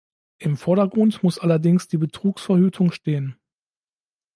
Im Vordergrund muss allerdings die Betrugsverhütung stehen.